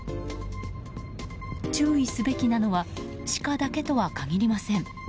注意すべきなのはシカだけとは限りません。